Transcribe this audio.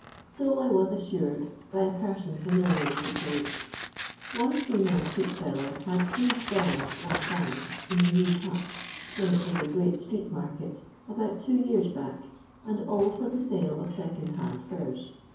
So I was itsttred by a person familiar with the trade. One female street seller had three stalls or Itands in the New Cut (when it was a great street ftiarket). about two years back, and all for the I «le of second hand furs.